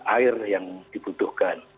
air yang dibutuhkan